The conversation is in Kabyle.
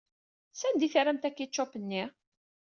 Sanda ay terramt akičup-nni?